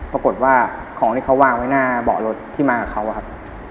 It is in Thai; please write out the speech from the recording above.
ปรากฏว่าของที่เขาวางไว้หน้าเบาะรถที่มากับเขาอะครับ